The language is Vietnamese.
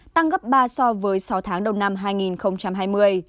tăng gấp ba so với sáu tháng đầu năm hai nghìn hai mươi